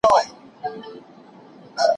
ایا د ټولنیزو رسنیو اغېز په ځوانانو کې مثبت دی؟